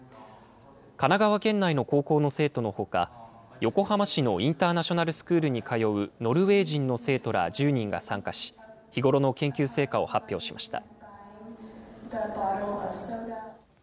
神奈川県内の高校の生徒のほか、横浜市のインターナショナルスクールに通うノルウェー人の生徒ら１０人が参加し、日頃の研究成果を発表しました。